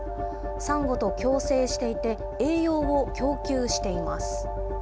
サンゴと共生していて、栄養を供給しています。